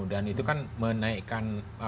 dan itu kan menaikkan